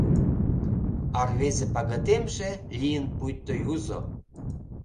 А рвезе пагытемже лийын пуйто юзо.